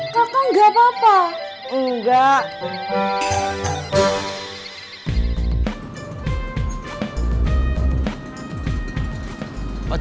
kau mau ulang ya